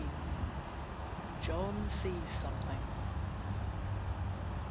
JOHN SEES SOMETHING.